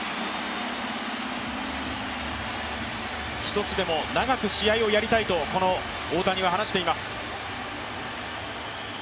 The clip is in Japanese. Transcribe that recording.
１つでも長く試合をやりたいと、この大谷は話しています。